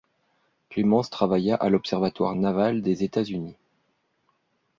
Clemence travailla à l'observatoire naval des États-Unis.